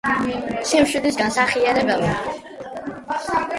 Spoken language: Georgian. მდებარეობს მდინარე ყვირილის ხეობაში.